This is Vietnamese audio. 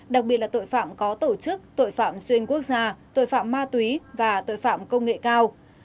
đặc biệt là tội phạm có tổ chức tội phạm xuyên quốc gia tội phạm ma túy và tội phạm công nghệ cao